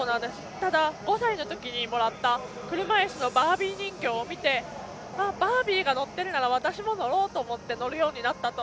ただ５歳のときもらった車いすのバービー人形を見てバービーが乗っているなら私も乗ろうと思って乗るようになったと。